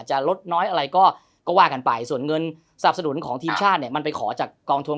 จะลดน้อยอะไรก็ว่ากันไปส่วนเงินสนับสนุนของทีมชาติเนี่ยมันไปขอจากกองทวง